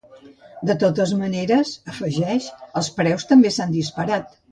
De totes maneres, afegeix, els preus també s’han disparat.